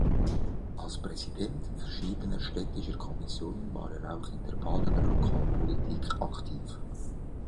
Als Präsident verschiedener städtischer Kommissionen war er auch in der Badener Lokalpolitik aktiv.